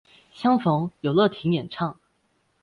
相逢有乐町演唱。